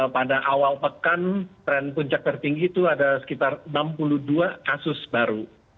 pada awal pekan tren puncak tertinggi itu ada sekitar enam puluh dua kasus baru